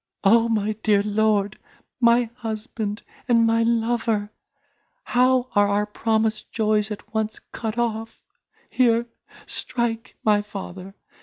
O my dear lord! my husband, and my lover! how are our promised joys at once cut off! here, strike, my father!